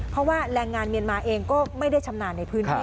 เพราะว่าแรงงานเมียนมาเองก็ไม่ได้ชำนาญในพื้นที่